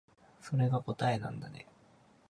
それが答えなんだね